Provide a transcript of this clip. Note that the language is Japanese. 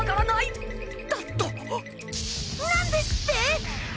なんですって！？